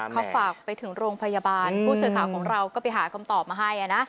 เขาฝากไปถึงโรงพยาบาลผู้สื่อข่าวของเราก็ไปหาคำตอบมาให้นะ